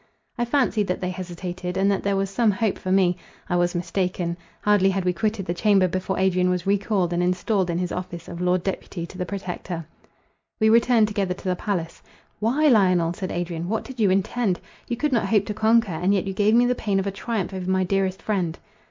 I fancied that they hesitated, and that there was some hope for me—I was mistaken—hardly had we quitted the chamber, before Adrian was recalled, and installed in his office of Lord Deputy to the Protector. We returned together to the palace. "Why, Lionel," said Adrian, "what did you intend? you could not hope to conquer, and yet you gave me the pain of a triumph over my dearest friend."